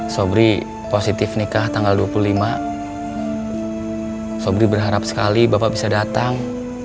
sobri positif nikah tanggal dua puluh lima sobri berharap sekali bapak bisa datang